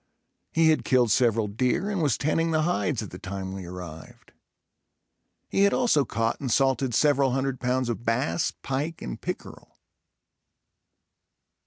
He had killed several deer and was tanning the hides at the time we arrived. He had also caught and salted several hundred pounds of bass, pike and pickerel.